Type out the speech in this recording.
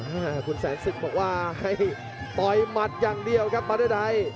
อ่าคุณแสนศึกบอกว่าให้ต่อยหมัดอย่างเดียวครับบาเดอร์ได